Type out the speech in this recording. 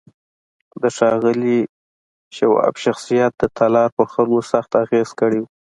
د ښاغلي شواب شخصيت د تالار پر خلکو سخت اغېز کړی و.